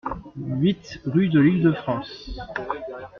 huit rue de L'Île de France